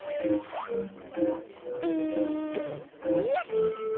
うんよしっ！